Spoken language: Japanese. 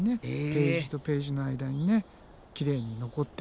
ページとページの間にきれいに残って。